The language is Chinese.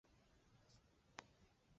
但这些尝试最初都不成功。